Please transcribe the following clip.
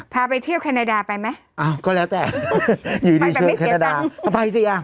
พาไปเที่ยวแคนาดาไปไหมอ่าก็แล้วแต่อยู่ดีเชิญแคนาดาไปแต่ไม่เสียตังค์